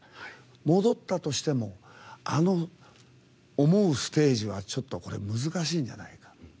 戻ったとしてもあの思うステージはちょっと難しいんじゃないか。